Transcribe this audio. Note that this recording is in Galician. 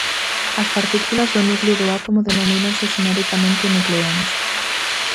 As partículas do núcleo do átomo denomínanse xenericamente nucleóns.